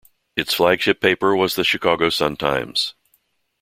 Its flagship paper was the "Chicago Sun-Times".